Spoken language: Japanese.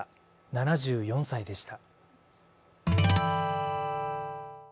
７４歳でした。